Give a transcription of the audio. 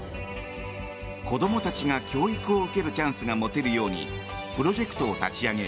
子供たちが、教育を受けるチャンスが持てるようにプロジェクトを立ち上げ